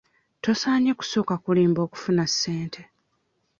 Tosaanye kusooka kulimba okufuna ssente.